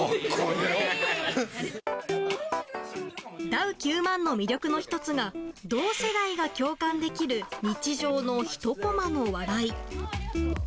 ダウ９００００の魅力の１つが同世代が共感できる日常のひとコマの笑い。